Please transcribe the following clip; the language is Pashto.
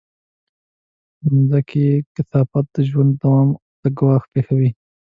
د مځکې کثافات د ژوند دوام ته ګواښ پېښوي.